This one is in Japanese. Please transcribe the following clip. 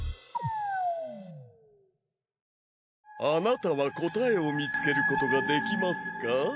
あなたは答えを見つけることができますか？